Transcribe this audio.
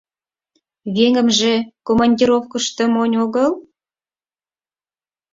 Веҥымже командировкышто монь огыл?